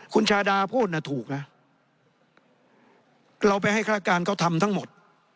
คุณชาดาพูดน่ะถูกนะเราไปให้ฆาตการเขาทำทั้งหมด